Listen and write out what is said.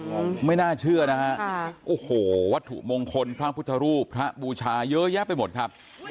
โอ้โหไม่น่าเชื่อนะฮะค่ะโอ้โหวัตถุมงคลพระพุทธรูปพระบูชาเยอะแยะไปหมดครับ